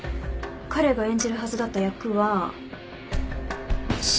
彼が演じるはずだった役は芝崎鉄幹。